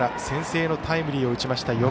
先制のタイムリーを打ちました